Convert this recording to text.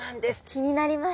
気になります。